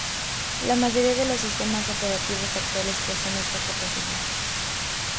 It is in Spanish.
La mayoría de los sistemas operativos actuales poseen esta capacidad.